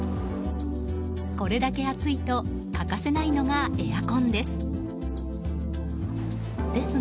これだけ暑いと欠かせないのがエアコンです。